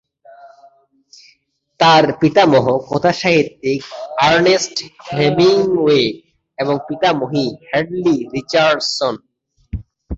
তার পিতামহ কথাসাহিত্যিক আর্নেস্ট হেমিংওয়ে এবং পিতামহী হ্যাডলি রিচার্ডসন।